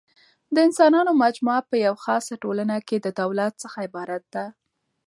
د انسانانو مجموعه په یوه خاصه ټولنه کښي د دولت څخه عبارت ده.